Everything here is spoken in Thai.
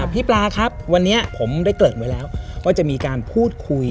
พี่ปลาครับวันนี้ผมได้เกริ่นไว้แล้วว่าจะมีการพูดคุย